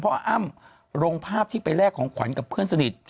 เพราะอ้ำลงภาพที่ไปแลกของขวัญกับเพื่อนสนิท